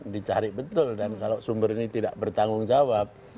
dicari betul dan kalau sumber ini tidak bertanggung jawab